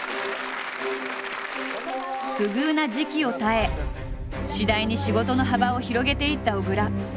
不遇な時期を耐え次第に仕事の幅を広げていった小倉。